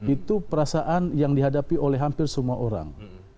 itu perasaan yang dihadapi oleh hampir semua orang